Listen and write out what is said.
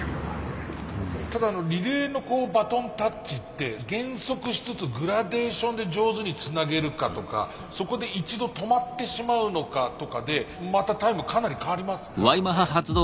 ただリレーのバトンタッチって減速しつつグラデーションで上手につなげるかとかそこで一度止まってしまうのかとかでまたタイムかなり変わりますからね。